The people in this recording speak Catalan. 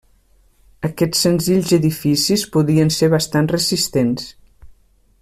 Aquests senzills edificis podien ser bastant resistents.